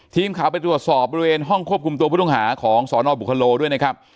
ทีมข่าวไปตรวจสอบบริเวณห้องควบคุมตัวผู้ต้องหาของสนบุคโลด้วยนะครับ